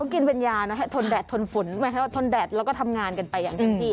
กินเป็นยาเนาะให้ทนแดดทนฝุนไม่ใช่ว่าทนแดดแล้วก็ทำงานกันไปอย่างนี้